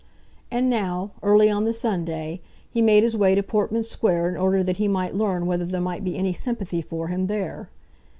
And now, early on the Sunday, he made his way to Portman Square in order that he might learn whether there might be any sympathy for him there.